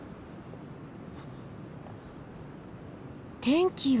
天気は。